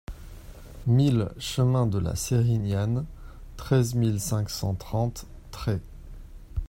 mille chemin de la Sérignane, treize mille cinq cent trente Trets